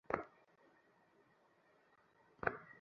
Hyper-speed crystal সম্পূর্ণভাবে ধ্বংস হয়ে গেছে।